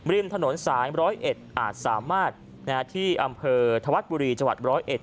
ริมถนนสาย๑๐๑อาจสามารถที่อำเภอทวัดบุรีจวัด๑๐๑